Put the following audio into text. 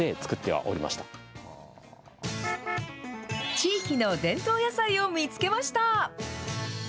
地域の伝統野菜を見つけました。